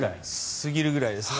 すぎるぐらいですね。